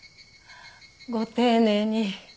ご丁寧に。